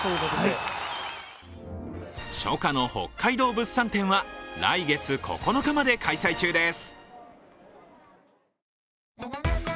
初夏の北海道物産展は来月９日まで開催中です。